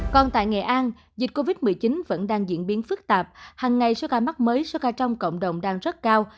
còn tại nghệ an dịch covid một mươi chín vẫn đang diễn biến phức tạp hằng ngày số ca mắc mới số ca trong cộng đồng đang rất cao